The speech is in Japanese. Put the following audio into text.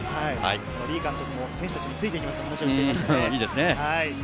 李監督も選手達についていきますと言っていました。